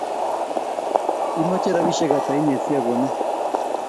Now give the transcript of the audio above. Imache rapishek ata inye siakonin